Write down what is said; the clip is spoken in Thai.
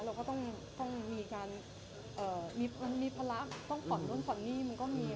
เราก็ต้องมีการมีพลักษณ์ต้องขอนโน้นขอนหนี้มันก็มีค่ะ